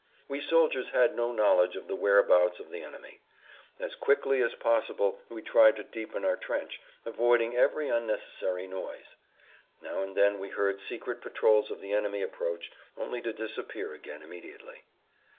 We soldiers had no knowledge of the whereabouts of the enemy. As quickly[Pg 123] as possible we tried to deepen our trench, avoiding every unnecessary noise. Now and then we heard secret patrols of the enemy approach, only to disappear again immediately.